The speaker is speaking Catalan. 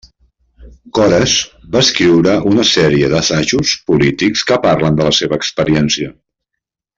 Cores va escriure una sèrie d'assajos polítics que parlen de la seva experiència.